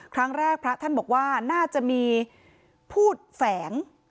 ครั้งแรกพระท่านบอกว่าน่าจะมีภูตแฝง